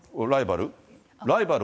ライバル？